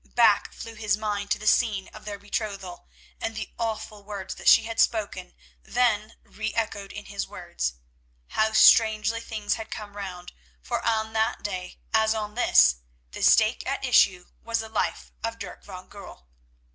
Back flew his mind to the scene of their betrothal, and the awful words that she had spoken then re echoed in his ears. How strangely things had come round, for on that day, as on this, the stake at issue was the life of Dirk van Goorl.